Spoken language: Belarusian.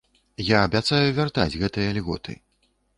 Я абяцаю вяртаць гэтыя льготы.